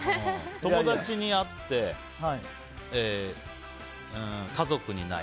友達にあって、家族にない。